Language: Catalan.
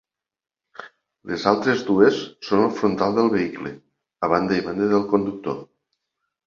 Les altres dues són al frontal del vehicle, a banda i banda del conductor.